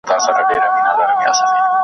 جهاني اوس دي سندري لکه ساندي پر زړه اوري .